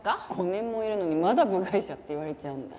５年もいるのにまだ部外者って言われちゃうんだ。